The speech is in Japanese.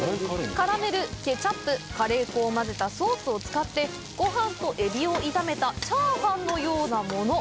カラメル・ケチャップ・カレー粉を混ぜたソースを使ってごはんとえびを炒めたチャーハンのようなもの